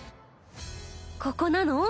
ここなの？